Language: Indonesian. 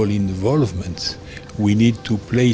kita membutuhkan keinginan politik